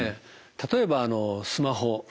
例えばスマホ。